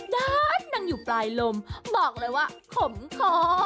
ด้านนั่งอยู่ปลายลมบอกเลยว่าขมคอ